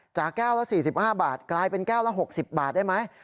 จากแก้วละ๔๕บาทกลายเป็นแก้วละ๖๐บาทได้ไหม